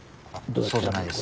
そうじゃないです。